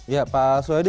ya pak suhaidi